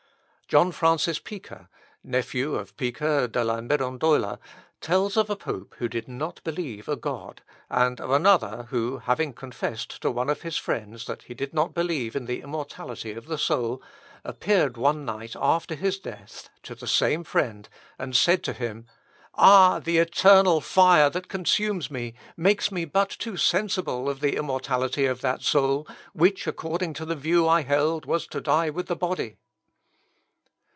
John Francis Pica, nephew of Pica de la Mirandôla, tells of a pope who did not believe a God, and of another who, having confessed to one of his friends, that he did not believe in the immortality of the soul, appeared one night after his death to the same friend, and said to him, "Ah! the eternal fire that consumes me, makes me but too sensible of the immortality of that soul, which, according to the view I held, was to die with the body."